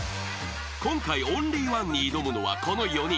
［今回オンリーワンに挑むのはこの４人］